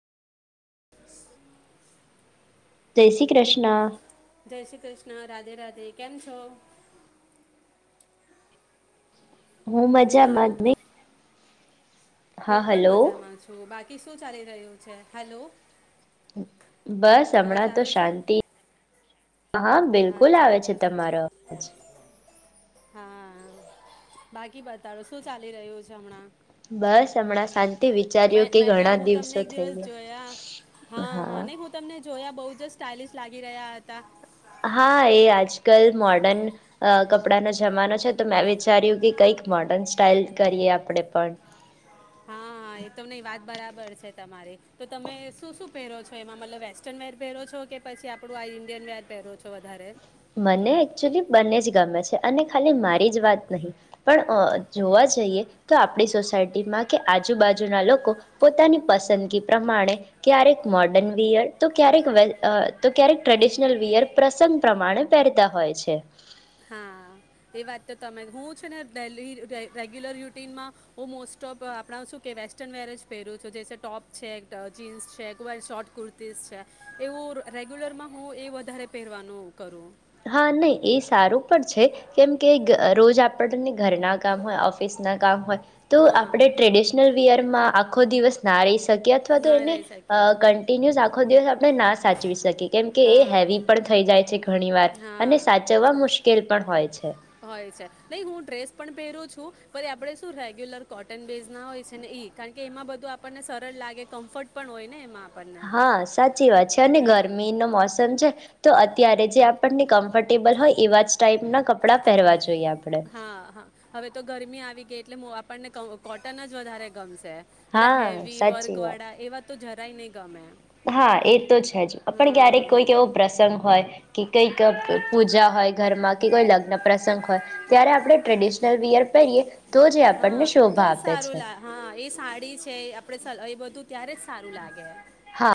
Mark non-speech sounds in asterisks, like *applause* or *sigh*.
*inaudible* જય શ્રી કૃષ્ણ. જય શ્રી કૃષ્ણ રાધે રાધે કેમ છો? હું હલો મજામાં દ્વિ હું પણ મજામાં છું બાકી શું ચાલી રહ્યું છે હલો હું બસ અવાજ હમણાં તો આવે છે શાંતિ હા બિલકુલ અચ્છા આવે છે અચ્છા તમારો અવાજ હા બાકી બતાડો શું ચાલી રહ્યું છે હમણાં બસ હમણાં સાં મે મેં તો હું તમને એક દિવસ ગયા જોયા હા હા નહી હું તમને જોયા બહુ જ સ્ટઇલિશ લાગી રહ્યા હતા હા એ આજકાલ મોર્ડન કપડાનો જમાનો છે તો મેં વિચાર્યું કે કંઈક મોર્ડર્ન સ્ટાાઈલ કરીએ આપણેે પણ બબર છે તમારી તો તમે શું શું પહેરો છો એમાં મતલબ વેસ્ટર્ન વેર પહેરો છો કે પછી આપડું આ ઇન્ડિયન વેર પહેરો છો વધારે મને એકચુલી બંને જ ગમે છે અને ખાલી મારી જ વાત નહીં પણ જોવા જઈએ તો આપણી સોસાયટીમાં કે આજુબાજુના લોકો પોતાની પસંદગી પ્રમાણે ક્યારેક મોર્ડર્ન વિયર તો ક્યારેક તો ક્યારેક ટ્રેડિશનલ વિયર પ્રસંગ પ્રમાણે પહેરતા હોય છે હા એ વાત તો તમે હું છે નેેલી રેગ્યુલર રુટીનમાં હું મોસ્ટ ઓફ આપણા શું કે વેસ્ટર્ન વેર જ પહેરું છું જેસે ટોપ છે જીન્સ છે કો શોર્ટ કુર્તીઝ છે એવું રેગ્યુલરમાં હું એ વધારે પહેરવાનું કરું હા નહી એ સારું પણ છે કેમ કે રોજ આપણને ઘરના કામ હોય ઓફિસના કામ હોય તો આપણે હા ટ્રેડિશનલ વયરમાં આખો દિવસ નારેસ કી અથવા તો ના એને રહી શકે કિન્યુ ખોદી આપણે ના સાચવી શકીએ કેમ કે એ હા હેવી પણ થઈ જાય છે ઘણીવાર અને હા સાચવવા મુશ્કેલ વાય છે હોય છે નહી હું ડ્રેસ પણ પહેરું છું ું આપણેે શું રેગ્યુલર કોટન બેઝ ના હોય છે ને ઈ કારણ કે એમાં બધું આપણને સરળ લાગે કમ્ફર્ટ પણ હોય ને એમાં આપણને હા સાચી વાત છે અને હમ ગરમી ન મોસમ છે તો ત્યારે જે આપણને કમ્ફર્ટેબલ હોય એવા જ ટાઈપના કપડાં પહેરવા જોઈએ આપણે હા હા હવે તો ગરમી આવી ગઈ એટલે આપને કોટન જ વધારે ગમશે બધા હા હેવી વર્ક સાચી વાત વાળા એવા તો જરાય નં ગમે હા, એ તો છે જ. પણ ક્યારેક કોઈક એવો હમ પ્રસંગ હોય કે કઈ ક પૂજા હોય ઘરમાં, કે કોઈ લ ગ્ન પ્રસંગ હોય ત્યારે આપણે ટ્રેડિશનલ વીયર પેરીએ તો જ એ આપણને હા તો શોભા જ આપે સારું છે. લા હા એ સાડી છે આપણે સલ- એ બધું ત્યારે જ સારું લાગે. હા